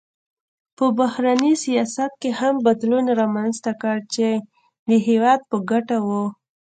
په بهرني سیاست کې هم بدلون رامنځته کړ چې د هېواد په ګټه و.